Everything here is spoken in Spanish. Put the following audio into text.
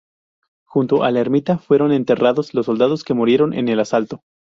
Junto a la ermita fueron enterrados los soldados que murieron en el asalto.